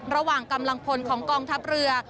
ระหว่างกำลังพลของกองทัพเรือ